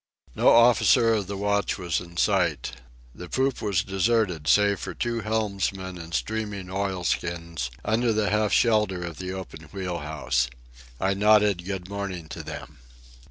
No officer of the watch was in sight. The poop was deserted, save for two helmsmen in streaming oilskins under the half shelter of the open wheel house. I nodded good morning to them.